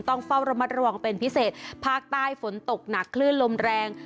ต้องเฝ้าระมัดระวังเป็นพิเศษภาคใต้ฝนตกหนักคลื่นลมแรง